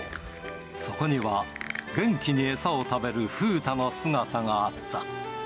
そこには、元気に餌を食べるふうたの姿があった。